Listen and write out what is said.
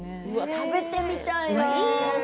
食べてみたいな。